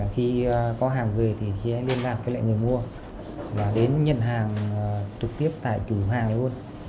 khi có hàng về thì chị liên lạc với lại người mua và đến nhận hàng trực tiếp tại chủ hàng luôn